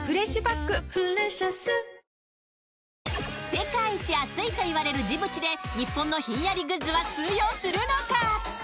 世界一暑いといわれるジブチで日本のひんやりグッズは通用するのか？